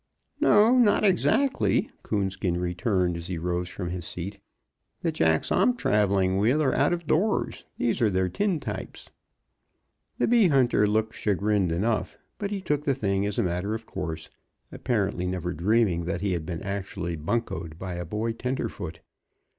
"No, not exactly," Coonskin returned as he rose from his seat. "The jacks I'm traveling with are out doors; these are their tin types." The bee hunter looked chagrined enough, but he took the thing as a matter of course, apparently never dreaming that he had been actually buncoed by a boy tenderfoot.